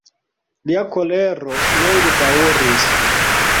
Lia kolero longe daŭris.